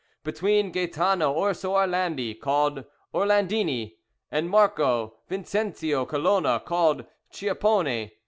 "Between Gaetano Orso Orlandi, called Orlandini. "And Marco Vincenzio Colona, called Schioppone.